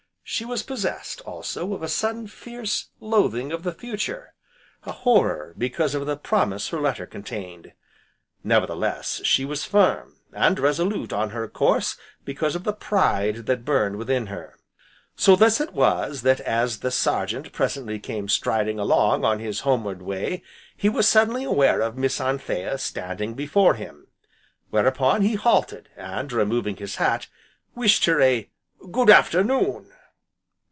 She was possessed, also, of a sudden, fierce loathing of the future, a horror because of the promise her letter contained. Nevertheless she was firm, and resolute on her course because of the pride that burned within her. So thus it was that as the Sergeant presently came striding along on his homeward way, he was suddenly aware of Miss Anthea standing before him; whereupon he halted, and removing his hat, wished her a "good afternoon!"